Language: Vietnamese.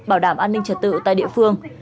bảo đảm an ninh trật tự tại địa phương